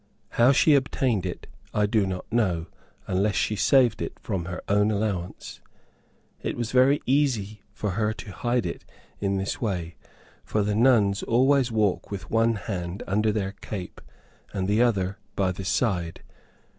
How she obtained it, I do not know, unless she saved it from her own allowance. It was very easy for her to hide it in this way, for the nuns always walk with one hand under their cape and the other by the side.